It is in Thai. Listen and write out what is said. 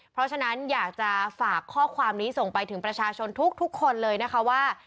เพราะฉะนั้นอยากจะฝากข้อความนี้ส่งไปถึงประชาชนทุกคนเลยนะคะว่า